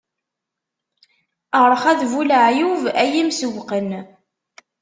Rrxa d bu laɛyub,a yimsewwqen!